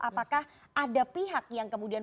apakah ada pihak yang kemudian